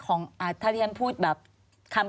ควิทยาลัยเชียร์สวัสดีครับ